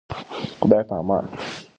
خداي پامان.